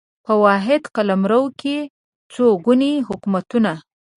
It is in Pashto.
په واحد قلمرو کې څو ګوني حکومتونه